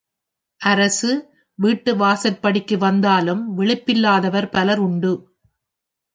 அரசு, வீட்டு வாசற் படிக்கு வந்தாலும் விழிப்பில்லாதவர் பலர் உண்டு.